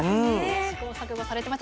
試行錯誤されてました。